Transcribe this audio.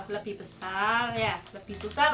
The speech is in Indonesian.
lebih besar lebih susah